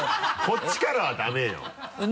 こっちからはダメよ。